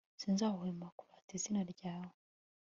sinzahwema kurata izina ryawe